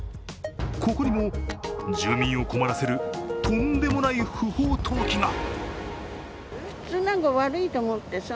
ここにも、住民を困らせるとんでもない不法投棄が。